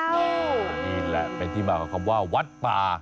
นี่แหละเป็นที่มาของคำว่าวัดป่า